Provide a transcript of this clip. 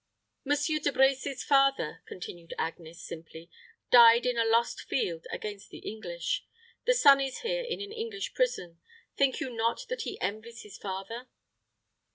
"Monsieur De Brecy's father," continued Agnes, simply, "died in a lost field against the English. The son is here in an English prison. Think you not that he envies his father?"